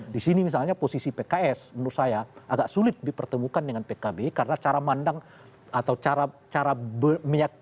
disini misalnya posisi pks menurut saya agak sulit dipertemukan dengan pkb karena cara mandang atau cara memilih ya